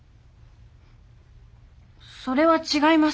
それは違います。